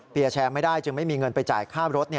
แชร์ไม่ได้จึงไม่มีเงินไปจ่ายค่ารถ